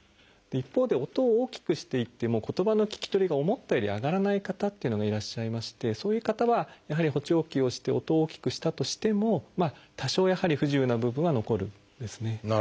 一方で音を大きくしていっても言葉の聞き取りが思ったより上がらない方というのがいらっしゃいましてそういう方はやはり補聴器をして音を大きくしたとしても多少やはり不自由な部分は残るんですね。